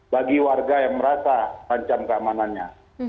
bagi warga yang merasa rancam keamanannya